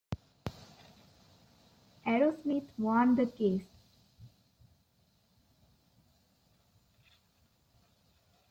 Aerosmith won the case.